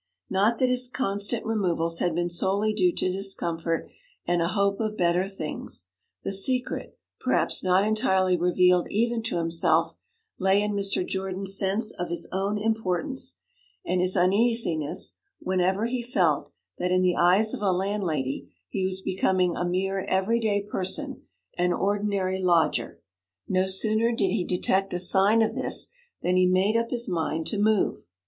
Not that his constant removals had been solely due to discomfort and a hope of better things. The secret perhaps not entirely revealed even to himself lay in Mr. Jordan's sense of his own importance, and his uneasiness whenever he felt that, in the eyes of a landlady, he was becoming a mere everyday person an ordinary lodger. No sooner did he detect a sign of this than he made up his mind to move.